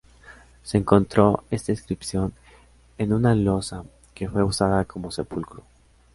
Se encontró está inscripción en una losa que fue usada como sepulcro.